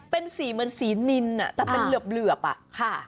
เป็นสีเหมือนสีนินแต่เป็นเหลือบอะค่ะ